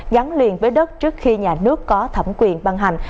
gắn liền với đất trước khi nhà nước có thẩm quyền băng hành